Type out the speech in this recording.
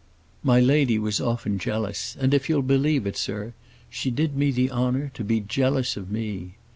My lady was often jealous, and, if you'll believe it, sir, she did me the honor to be jealous of me.